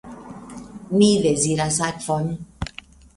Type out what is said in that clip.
Ni deziras akvon.